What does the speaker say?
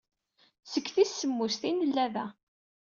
Seg tis semmuset ay nella da.